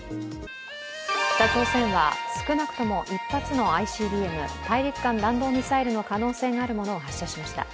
北朝鮮は少なくとも一発のＩＣＢＭ＝大陸間弾道ミサイルの可能性があるものを発射しました。